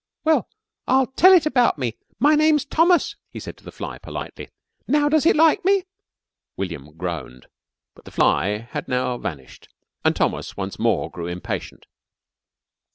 "Well, I'll tell it about me. My name's Thomas," he said to the fly politely. "Now does it like me?" William groaned. But the fly had now vanished, and Thomas once more grew impatient.